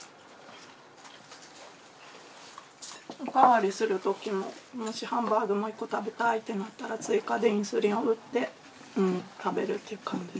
おかわりするときももしハンバーグもう一個食べたいってなったら追加でインスリンを打って食べるっていう感じですね。